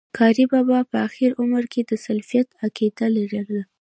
قاري بابا په آخري عمر کي د سلفيت عقيده لرله